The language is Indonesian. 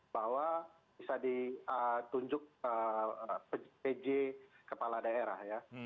bahwa bisa ditunjuk pj kepala daerah ya